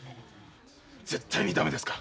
絶対に駄目ですか？